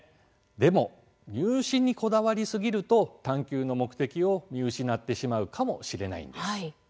でも、入試にこだわりすぎると「探究」の目的を見失ってしまうかもしれないんです。